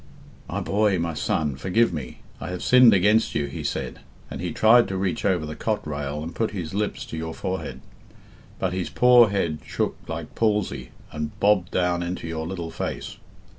"'My boy, my son, forgive me, I have sinned against you,' he said, and he tried to reach over the cot rail and put his lips to your forehead, but his poor head shook like palsy and bobbed down into your little face.